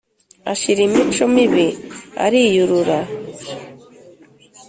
ashira imico mibi ariyurura.